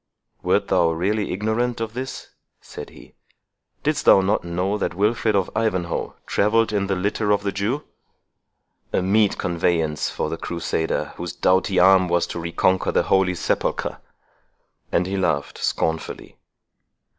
"Wert thou really ignorant of this?" said he; "didst thou not know that Wilfred of Ivanhoe travelled in the litter of the Jew?—a meet conveyance for the crusader, whose doughty arm was to reconquer the Holy Sepulchre!" And he laughed scornfully.